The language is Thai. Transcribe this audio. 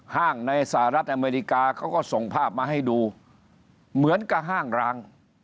ห้างในสหรัฐอเมริกาเขาก็ส่งภาพมาให้ดูเหมือนกับห้างร้าง